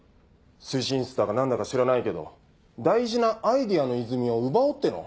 推進室だか何だか知らないけど大事なアイデアの泉を奪おうっての？